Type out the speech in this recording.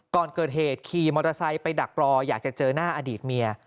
ก่อนเกิดเหตุขี่มอเตอร์ไซค์ไปดักรออยากจะเจอหน้าอดีตเมีย